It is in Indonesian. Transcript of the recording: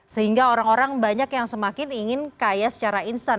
sehingga orang orang banyak yang semakin ingin kaya secara instan